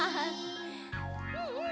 うんうん！